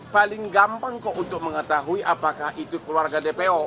paling gampang kok untuk mengetahui apakah itu keluarga dpo